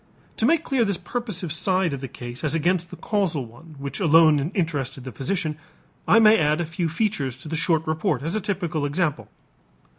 To make clear this purposive side of the case as against the causal one which alone interested the physician, I may add a few features to the short report as a typical example.